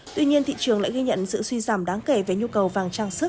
tuy nhiên thị trường lại ghi nhận sự suy giảm đáng kể về nhu cầu vàng trang sức